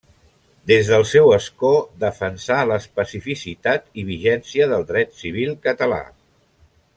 Des del seu escó defensà l'especificitat i vigència del dret civil català.